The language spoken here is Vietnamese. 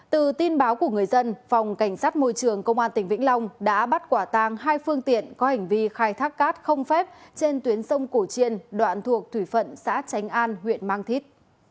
từ tin báo của người dân phòng cảnh sát môi trường công an tỉnh vĩnh long đã bắt quả tàng hai phương tiện có hành vi khai thác cát không phép trên tuyến sông cổ chiên đoạn thuộc thủy phận xã tránh an huyện mang thít